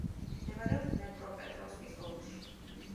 მდებარეობს დნეპროპეტროვსკის ოლქში.